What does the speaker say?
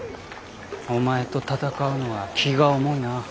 お前と戦うのは気が重いな。